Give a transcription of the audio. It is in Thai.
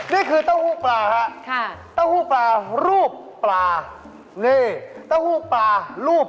นี่คือเต้าหู้ปลาครับ